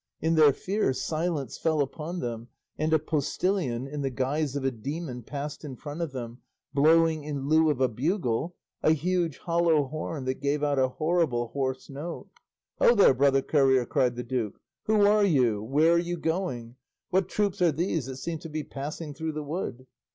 In their fear, silence fell upon them, and a postillion, in the guise of a demon, passed in front of them, blowing, in lieu of a bugle, a huge hollow horn that gave out a horrible hoarse note. "Ho there! brother courier," cried the duke, "who are you? Where are you going? What troops are these that seem to be passing through the wood?"